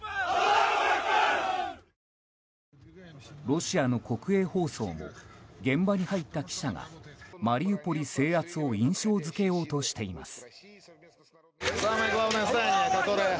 ロシアの国営放送も現場に入った記者がマリウポリ制圧を印象付けようとしています。